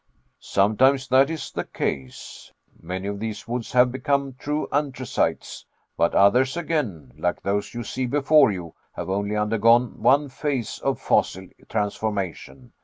"Sometimes that is the case. Many of these woods have become true anthracites, but others again, like those you see before you, have only undergone one phase of fossil transformation.